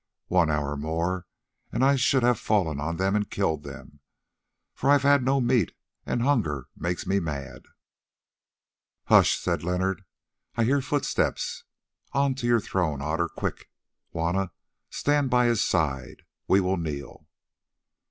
One hour more and I should have fallen on them and killed them, for I have had no meat, and hunger makes me mad." "Hush!" said Leonard, "I hear footsteps! On to your throne, Otter! Quick, Juanna! stand by his side; we will kneel!"